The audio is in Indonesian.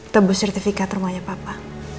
tebus sertifikat rumahnya papa